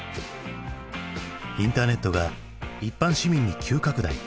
インターネットが一般市民に急拡大。